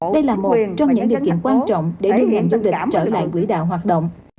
đây là một trong những điều kiện quan trọng để ngân hàng du lịch trở lại quỹ đạo hoạt động